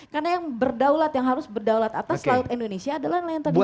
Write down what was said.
karena yang berdaulat yang harus berdaulat atas laut indonesia adalah nelayan tradisional